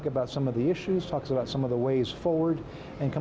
kita akan membahas hal hal keamanan bahkan radikalisme